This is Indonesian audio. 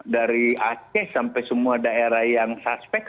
dari aceh sampai semua daerah yang suspek